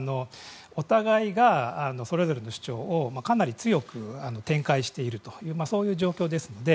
お互いがそれぞれの主張をかなり強く展開しているという状況ですので。